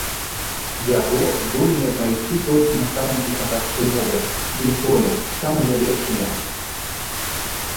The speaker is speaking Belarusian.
Яго здольныя прайсці толькі настаўнікі казахскай мовы, дый тое самыя лепшыя.